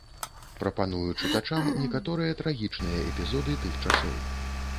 Прапаную чытачам некаторыя трагічныя эпізоды тых часоў.